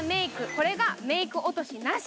これがメーク落としなし。